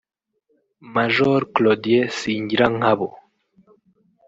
Major Claudien Singirankabo